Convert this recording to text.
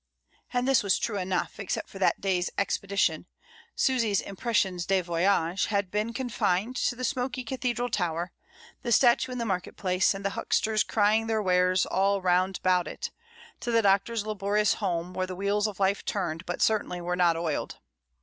And this was true enough; except for that day's expedition, Susy's impressions de voyage had been confined to the smoky cathedral tower, the statue in the market place, and the hucksters crying their wares all round about it, to the Doctor's laborious m A GIG. 43 home, where the wheels of life turned, but certainly were not oiled.